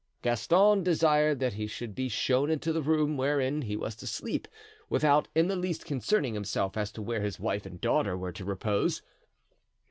Gaston desired that he should be shown into the room wherein he was to sleep, without in the least concerning himself as to where his wife and daughter were to repose.